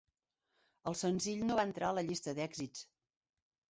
El senzill no va entrar a la llista d'èxits.